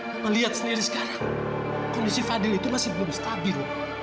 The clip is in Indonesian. saya melihat sendiri sekarang kondisi fadil itu masih belum stabil